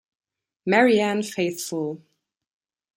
Marianne Faithful